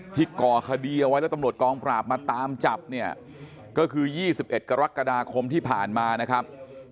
ก่อคดีเอาไว้แล้วตำรวจกองปราบมาตามจับเนี่ยก็คือ๒๑กรกฎาคมที่ผ่านมานะครับ